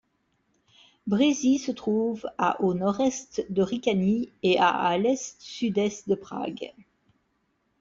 Březí se trouve à au nord-est de Říčany et à à l'est-sud-est de Prague.